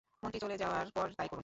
মন্ত্রী চলে যাওয়ার পরে তাই করুন।